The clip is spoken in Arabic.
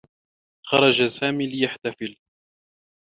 خرج سامي ليحتفل.